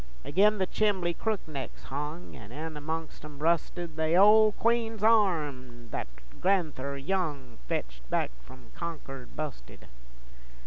Agin the chimbley crook necks hung, An' in amongst 'em rusted The ole queen's arm thet gran'ther Young Fetched back f'om Concord busted.